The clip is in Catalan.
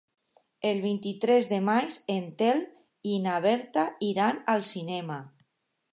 El vint-i-tres de maig en Telm i na Berta iran al cinema.